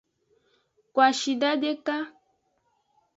Kwashida deka.